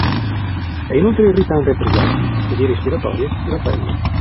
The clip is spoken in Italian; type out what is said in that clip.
È inoltre irritante per gli occhi, le vie respiratorie e la pelle.